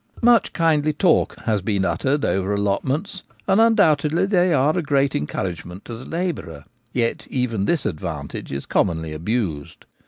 Much kindly talk has been uttered over allot ments, and undoubtedly they are a great encourage ment to the labourer ; yet even this advantage is com monly abused.